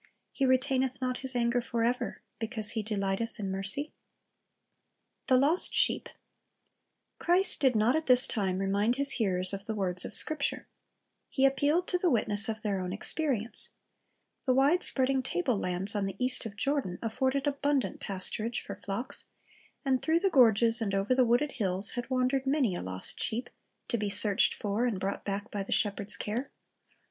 He retaineth not His anger forever, because He delighteth in mercy" ?^ THE LOST SHEEP Christ did not at this time remind His hearers of the words of Scripture. He appealed to the witness of their own experience. The wide spreading tablelands on the east of Jordan afforded abundant pasturage for flocks, and through the gorges and over the wooded hills had wandered man\' ' Ps. 119 : 176 2 Micah 7 ; 18 " JWu' s J/ a// RcccivctJi Si n ii c r sr'' 187 a lost sheep, to be searched for and brought back by the shepherd's care.